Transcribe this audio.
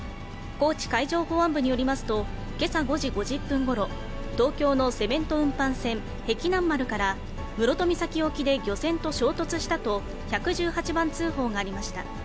高知海上保安部によりますと、けさ５時５０分ごろ、東京のセメント運搬船、碧南丸から、室戸岬沖で漁船と衝突したと１１８番通報がありました。